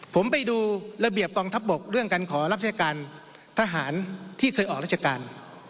ผมไปดูระเบียบกองทัพบกเรื่องการขอรับราชการทหารที่เคยออกราชการ